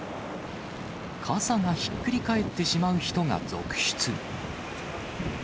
傘がひっくり返ってしまう人が続出。